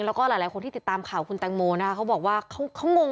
แล้วก็หลายคนที่ติดตามข่าวคุณแตงโมนะคะเขาบอกว่าเขางง